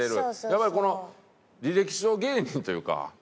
やっぱりこの履歴書芸人というか。